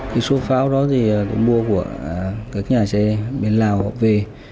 cái số pháo đó thì cũng mua của các nhà xe bên lào về